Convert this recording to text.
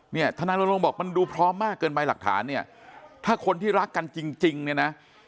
ทนายรณรงค์บอกมันดูพร้อมมากเกินไปหลักฐานเนี่ยถ้าคนที่รักกันจริงเนี่ยนะ